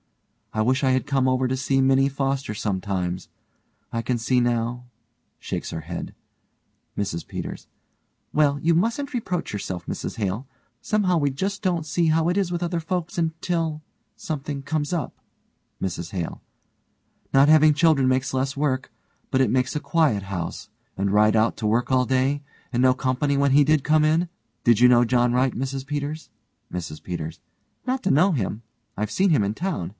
I wish I had come over to see Minnie Foster sometimes. I can see now (shakes her head) MRS PETERS: Well, you mustn't reproach yourself, Mrs Hale. Somehow we just don't see how it is with other folks until something comes up. MRS HALE: Not having children makes less work but it makes a quiet house, and Wright out to work all day, and no company when he did come in. Did you know John Wright, Mrs Peters? MRS PETERS: Not to know him; I've seen him in town.